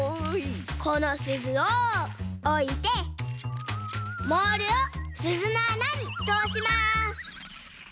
このすずをおいてモールをすずのあなにとおします。